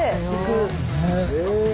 へえ！